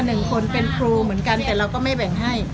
หนึ่งคนเป็นครูเหมือนกันแต่เราก็ไม่แบ่งให้